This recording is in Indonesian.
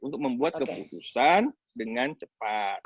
untuk membuat keputusan dengan cepat